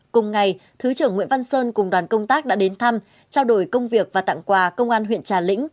cùng ngày thứ trưởng nguyễn văn sơn cùng đoàn công tác đã đến thăm trao đổi công việc và tặng quà công an huyện trà lĩnh